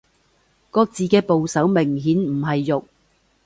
個字嘅部首明顯唔係肉